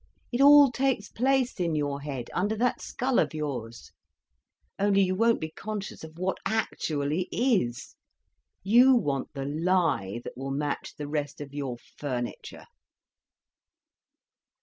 It all takes place in your head, under that skull of yours. Only you won't be conscious of what actually is: you want the lie that will match the rest of your furniture."